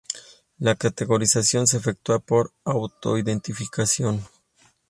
La categorización se efectúa por autoidentificación.